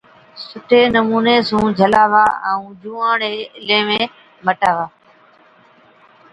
سُٺي نمُوني سُون جھُولا ائُون جُوئان هاڙين ليوين مٽاوا۔